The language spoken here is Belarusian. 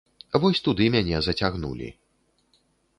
Вось туды мяне зацягнулі.